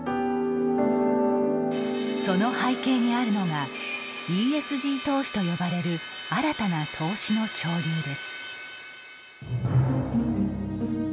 その背景にあるのがＥＳＧ投資と呼ばれる新たな投資の潮流です。